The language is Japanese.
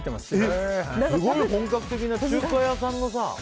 すごい本格的な中華屋さんみたいな。